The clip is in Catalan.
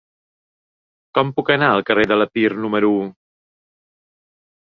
Com puc anar al carrer de l'Epir número u?